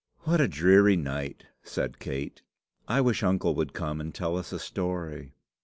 "What a dreary night!" said Kate. "I wish uncle would come and tell us a story."